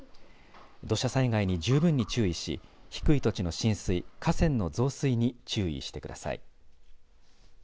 土砂災害に十分注意し低い土地の浸水河川の増水に注意してください。